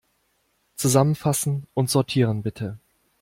Zusammenfassen und sortieren, bitte.